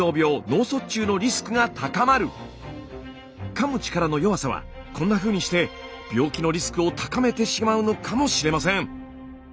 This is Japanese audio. かむ力の弱さはこんなふうにして病気のリスクを高めてしまうのかもしれません。